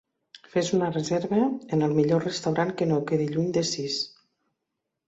Fes una reserva en el millor restaurant que no quedi lluny de VI